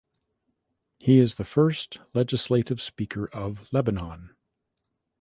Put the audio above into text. He is the first legislative speaker of Lebanon.